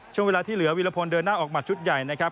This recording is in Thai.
ช่วงเวลาที่เหลือวิรพลเดินหน้าออกหัดชุดใหญ่นะครับ